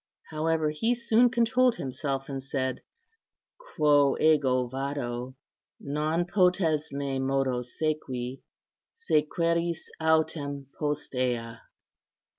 However, he soon controlled himself, and said, "Quo ego vado, non potes me modo sequi; sequeris autem postea."